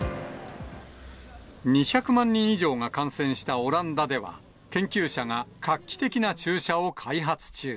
２００万人以上が感染したオランダでは、研究者が画期的な注射を開発中。